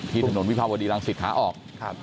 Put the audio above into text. ที่ถนนวิทยาลัยภาพวดีลังศิรษฐ์หาออก